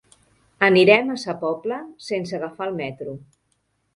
Anirem a Sa Pobla sense agafar el metro.